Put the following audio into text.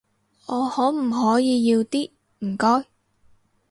我可唔可以要啲，唔該？